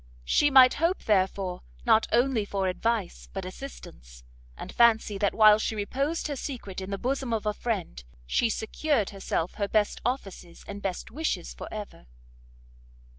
She might hope, therefore, not only for advice but assistance, and fancy that while she reposed her secret in the bosom of a friend, she secured herself her best offices and best wishes for ever.